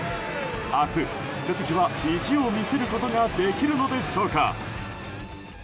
明日、鈴木は意地を見せることができるのでしょうか。